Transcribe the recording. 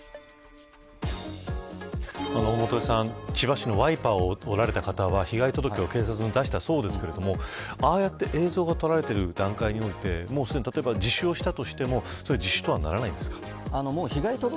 元榮さん、千葉市のワイパーを折られた方は被害届を警察に出したそうですけれどもああやって映像が捉えている段階において例えば自首をしたとしても自首とはならないんですか。